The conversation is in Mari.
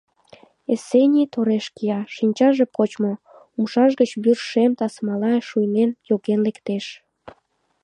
Эсеней тореш кия, шинчаже почмо, умшаж гыч вӱр шем тасмала шуйнен йоген лектеш.